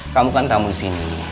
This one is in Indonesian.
kamu kan tamu sini